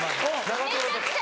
めちゃくちゃ。